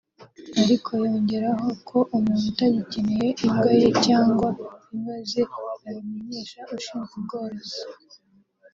ariko yongeraho ko umuntu utagikeneye imbwa ye cyangwa imbwa ze abimenyesha ushinzwe ubworozi